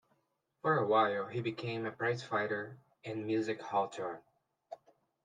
For a while he became a prizefighter and music-hall turn.